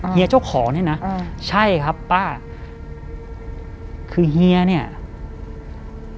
เฮียเจ้าของเนี่ยนะอ่าใช่ครับป้าคือเฮียเนี่ย